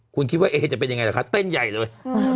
คุณคิดว่าเอจะเป็นยังไงเหรอคะเต้นใหญ่เลย